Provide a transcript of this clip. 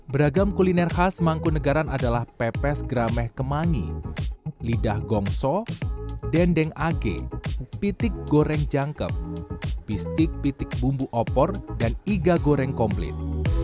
beragam kuliner khas mangkunagaran adalah pepes grameh kemangi lidah gongso dendeng age pitik goreng jangkep bistik pitik bumbu opor dan iga goreng komplit